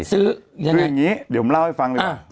คืออย่างนี้เดี๋ยวผมเล่าให้ฟังดีกว่า